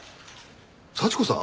幸子さん？